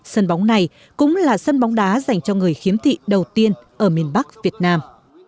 sân bóng này cũng là sân bóng đá dành cho người khiếm thị đầu tiên ở miền bắc việt nam